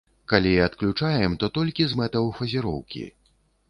Калі і адключаем, то толькі з мэтаў фазіроўкі.